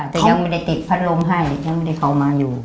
แต่ยังไม่ได้ติดพัดลมให้ยังไม่ได้เข้ามาอยู่